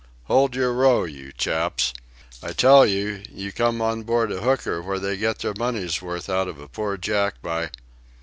Hold your row, you chaps!... I tell you, you came on board a hooker, where they get their money's worth out of poor Jack, by